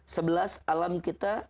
sebelas alam kita